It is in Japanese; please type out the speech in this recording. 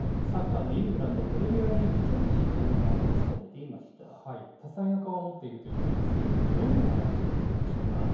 サッカーのイングランドプレミアリーグ・チェルシーのオーナーも多彩な顔を持っているということですけれども、どんな人物なんでしょうか。